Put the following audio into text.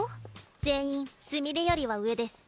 全員すみれよりは上デス。